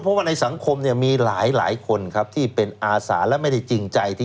เพราะว่าในสังคมเนี่ยมีหลายคนครับที่เป็นอาสาและไม่ได้จริงใจที่